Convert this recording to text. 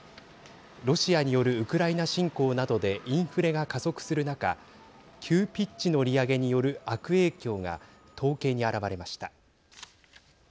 ロシアによるウクライナ侵攻などでインフレが加速する中急ピッチの利上げによる悪影響が統計に表れました。